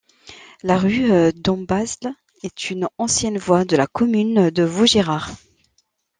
La rue Dombasle est une ancienne voie de la commune de Vaugirard.